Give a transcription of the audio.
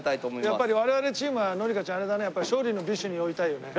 やっぱり我々チームは紀香ちゃんあれだね勝利の美酒に酔いたいよね。